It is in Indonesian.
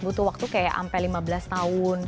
butuh waktu kayak sampai lima belas tahun